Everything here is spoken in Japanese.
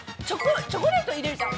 チョコレート入れるじゃん。